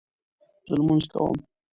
زه لمونځ کوم